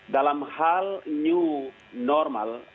dalam hal new normal